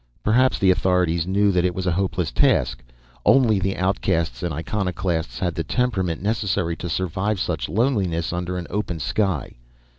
Perhaps the authorities knew that it was a hopeless task; only the outcasts and iconoclasts had the temperament necessary to survive such loneliness under an open sky.